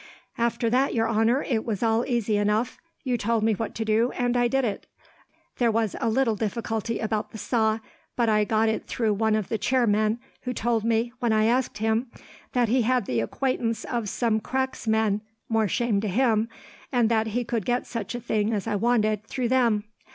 "After that, your honour, it was all easy enough. You told me what to do, and I did it. There was a little difficulty about the saw, but I got it through one of the chair men, who told me, when I asked him, that he had the acquaintance of some cracksmen more shame to him and that he could get such a thing as I wanted through them.